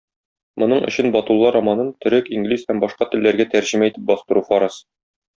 Моның өчен Батулла романын төрек, инглиз һәм башка телләргә тәрҗемә итеп бастыру фарыз.